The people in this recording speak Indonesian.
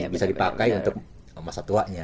bisa dipakai untuk masa tuanya